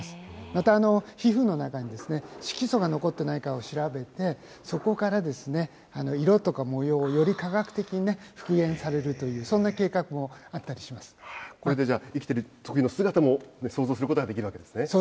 また、皮膚の中に色素が残ってないかを調べて、そこから色とか模様をより科学的に復元されるといこれでじゃあ生きてるときの姿も想像することができるわけですね。